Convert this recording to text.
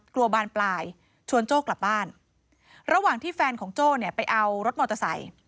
บานปลายชวนโจ้กลับบ้านระหว่างที่แฟนของโจ้เนี่ยไปเอารถมอเตอร์ไซค์